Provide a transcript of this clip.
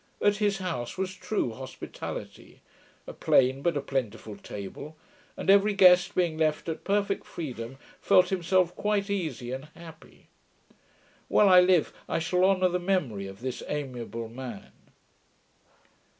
At his house was true hospitality; a plain but a plentiful table; and every guest, being left at perfect freedom, felt himself quite easy and happy. While I live, I shall honour the memory of this amiable man.